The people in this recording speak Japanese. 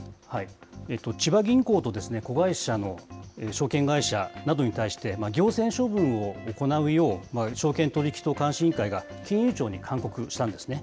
千葉銀行と子会社の証券会社などに対して、行政処分を行うよう、証券取引等監視委員会が金融庁に勧告したんですね。